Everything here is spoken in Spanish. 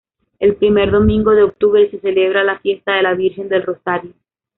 El primer domingo de octubre se celebra la fiesta de la Virgen del Rosario.